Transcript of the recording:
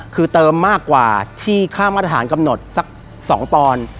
คือเติมมากกว่าที่ข้ามอัตหารกำหนดสัก๒ตอน